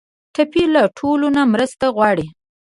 ټپي له ټولو نه مرسته غواړي.